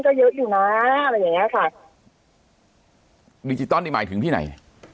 ก็เยอะอยู่นะอะไรอย่างเงี้ยค่ะดิจิตอลนี่หมายถึงที่ไหน